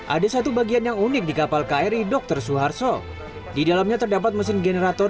ada satu bagian yang unik di kapal kri dr suharto di dalamnya terdapat mesin generator